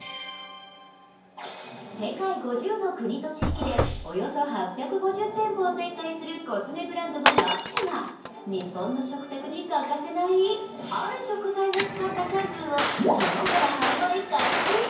世界５０の国と地域でおよそ８５０店舗を展開するコスメブランドのＬＵＳＨが日本の食卓に欠かせないある食材を使ったシャンプーを昨日から販売開始。